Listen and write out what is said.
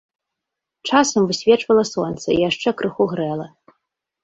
Часам высвечвала сонца і яшчэ крыху грэла.